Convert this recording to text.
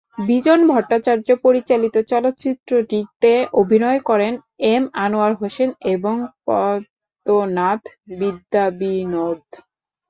বিজন ভট্টাচার্য পরিচালিত চলচ্চিত্রটিতে অভিনয় করেন এম আনোয়ার হোসেন এবং পদ্মনাথ বিদ্যাবিনোদ।